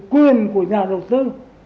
quyền của nhà đầu tư